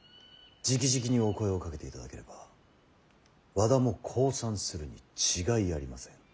じきじきにお声をかけていただければ和田も降参するに違いありません。